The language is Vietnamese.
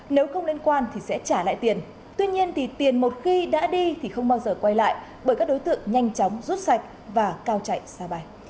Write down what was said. nếu không liên quan thì sẽ trả lại tiền tuy nhiên tiền một khi đã đi thì không bao giờ quay lại bởi các đối tượng nhanh chóng rút sạch và cao chạy xa bay